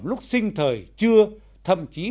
lúc sinh thời chưa thậm chí